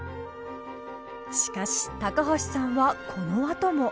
しかし橋さんはこのあとも。